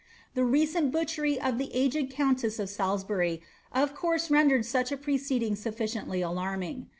The recent butchery of the aged ecia»* tma of Salisbury of course tendered auch a proceeding sufficiently alarming.